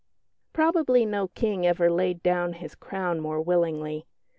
Probably no King ever laid down his crown more willingly.